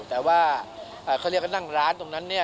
แต่ว่าเขาเรียกว่านั่งร้านตรงนั้นเนี่ย